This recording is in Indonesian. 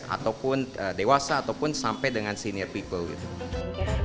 ataupun dewasa ataupun sampai dengan senior people gitu